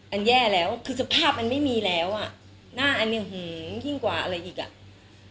แย่แล้วคือสภาพมันไม่มีแล้วอ่ะหน้าอันนี้หือยิ่งกว่าอะไรอีกอ่ะ